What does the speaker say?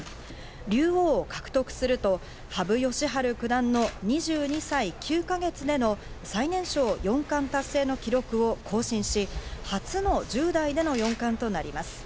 竜王を獲得すると羽生善治九段の２２歳９か月での最年少四冠達成の記録を更新し、初の１０代での四冠となります。